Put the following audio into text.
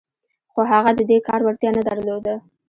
خو هغه د دې کار وړتيا نه درلوده.